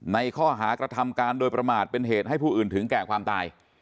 ในข้อหากระทำการโดยประมาทเป็นเหตุให้ผู้อื่นถึงแก่ความตาย